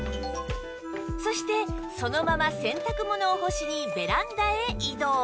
そしてそのまま洗濯物を干しにベランダへ移動